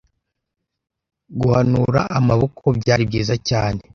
guhanura amaboko byari byiza cyane.